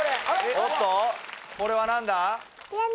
おっとこれは何だ？